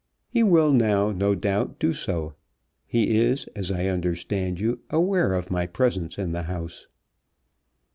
He will now, no doubt, do so. He is, as I understand you, aware of my presence in the house."